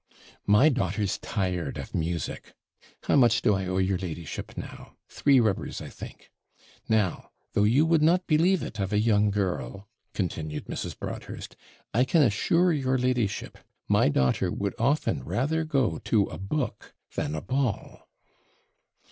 'My daughter's tired of music. How much do I owe your ladyship now? three rubbers, I think. Now, though you would not believe it of a young girl,' continued Mrs. Broadhurst, 'I can assure your ladyship, my daughter would often rather go to a book than a ball.'